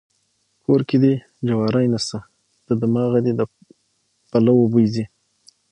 کور کې دې جواري نسته د دماغه دې د پلو بوی ځي.